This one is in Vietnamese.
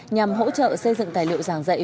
nhằm hỗ trợ xây dựng tài liệu giảng dạy